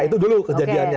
itu dulu kejadiannya